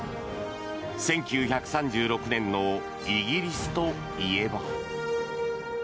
１９３６年のイギリスといえば。